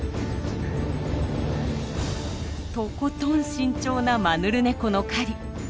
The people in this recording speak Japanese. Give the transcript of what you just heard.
とことん慎重なマヌルネコの狩り。